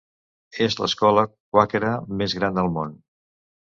És l'escola quàquera més gran del món.